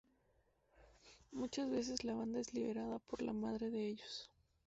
Muchas veces la banda es liderada por la madre de ellos.